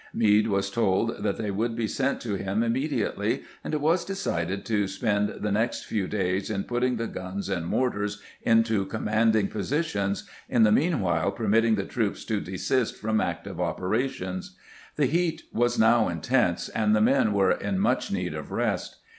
Meade was told that they would be sent to him immedi ately, and it was decided to spend the next few days in putting the guns and mortars into commanding' posi tions, in the meanwhile permitting the troops to desist from active operations. The heat was now intense, and the men were in much need of rest.